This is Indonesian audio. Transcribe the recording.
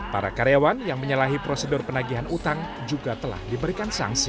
para karyawan yang menyalahi prosedur penagihan utang juga telah diberikan sanksi